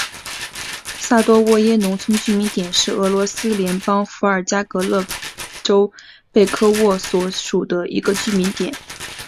萨多沃耶农村居民点是俄罗斯联邦伏尔加格勒州贝科沃区所属的一个农村居民点。